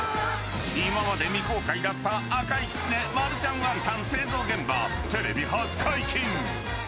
今まで未公開だった赤いきつねマルちゃんワンタン製造現場テレビ初解禁！